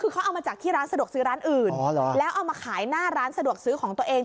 คือเขาเอามาจากที่ร้านสะดวกซื้อร้านอื่นแล้วเอามาขายหน้าร้านสะดวกซื้อของตัวเอง